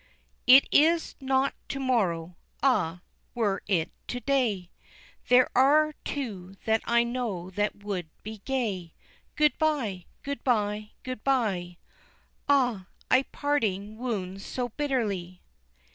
"It is not to morrow; ah, were it to day! There are two that I know that would be gay. Good by! Good by! Good by! Ah I parting wounds so bitterly!"